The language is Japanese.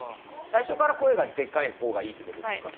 最初から声がでかい方がいいってことですか？